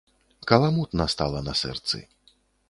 Каламутна стала на сэрцы.